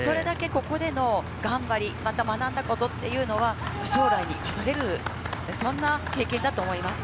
その頑張り、学んだことというのは将来に生かされる、そんな経験だと思います。